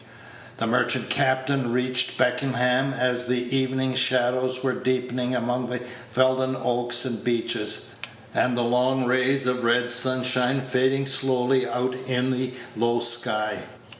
The merchant captain reached Beckenham as the evening shadows were deepening among the Felden oaks and beeches, and the long rays of red sunshine fading slowly out in the low sky.